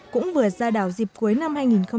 cũng vừa ra đảo dịp cuối năm hai nghìn một mươi sáu